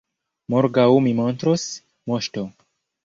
Morgaŭ mi montros, moŝto!